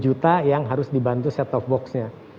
satu juta yang harus dibantu set of box nya